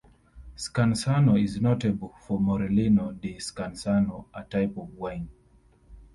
Scansano is notable for Morellino di Scansano, a type of wine.